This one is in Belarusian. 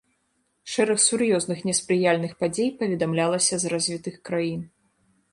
Шэраг сур'ёзных неспрыяльных падзей паведамлялася з развітых краін.